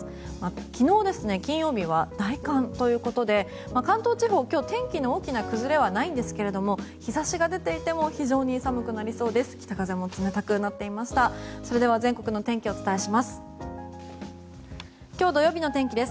昨日、金曜日は大寒ということで関東地方、今日天気の大きな崩れはないんですが日差しが出ていても非常に寒くなりそうです。